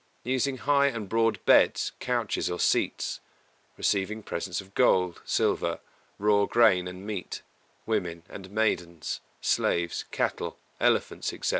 Using high and broad beds, couches, or seats; receiving presents of gold, silver, raw grain and meat, women, and maidens, slaves, cattle, elephants, etc.